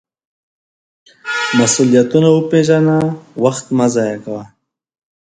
مسؤلیتونه وپیژنه، وخت مه ضایغه کوه.